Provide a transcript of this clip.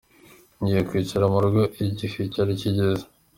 Ngiye kwicara mu rugo igihe cyari kigeze.